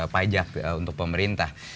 pajak untuk pemerintah